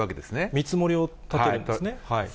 見積もりを立てるわけですね。